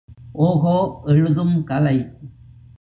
ஓகோ எழுதும் கலை.